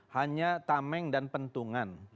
hanya tameng dan pentungan